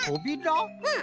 うん。